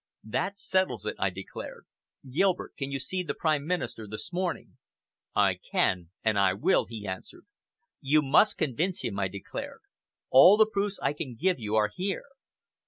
"That settles it," I declared. "Gilbert, can you see the Prime Minister this morning?" "I can and I will," he answered. "You must convince him," I declared. "All the proofs I can give you are here.